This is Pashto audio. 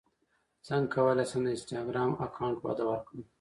څنګه کولی شم د انسټاګرام اکاونټ وده ورکړم